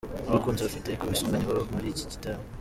Nta bakunzi bafite ariko bisunganye baza muri iki gitaramo